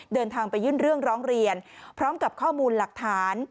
เดินทางไปยื่นเรื่องร้องเรียนพร้อมกับข้อมูลหลักฐาน